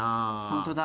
本当だ。